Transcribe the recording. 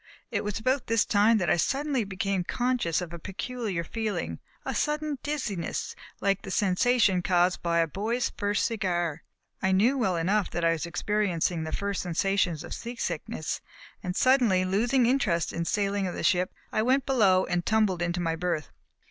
It was about this time that I suddenly became conscious of a peculiar feeling, a sudden dizziness, like the sensation caused by a boy's first cigar. I knew well enough that I was experiencing the first sensations of seasickness, and, suddenly losing interest in the sailing of the ship, I went below and tumbled into my berth.